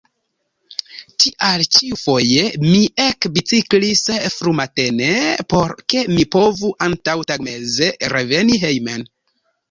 Tial ĉiufoje mi ekbiciklis frumatene, por ke mi povu antaŭtagmeze reveni hejmen.